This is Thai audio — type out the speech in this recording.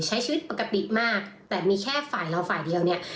ใช้ชีวิตปกติมากแต่มีแค่ฝ่ายเราฝ่ายเดียวเนี่ย